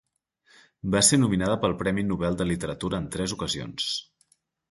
Va ser nominada pel Premi Nobel de Literatura en tres ocasions.